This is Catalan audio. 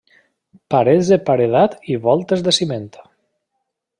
Parets de paredat i voltes de ciment.